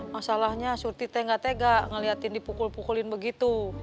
masalahnya surti teh gak tega ngeliatin dipukul pukulin begitu